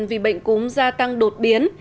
vì bệnh cúm gia tăng đột biến